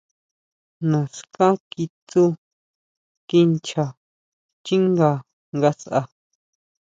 Naská kitsú kinchá xchínga ngasʼa.